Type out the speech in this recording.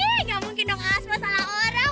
gak mungkin dong asmat salah orang